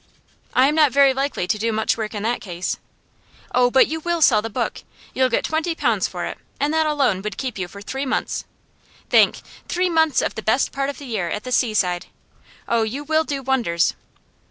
'I am not very likely to do much work in that case.' 'Oh, but you will sell the book. You'll get twenty pounds for it, and that alone would keep you for three months. Think three months of the best part of the year at the seaside! Oh, you will do wonders!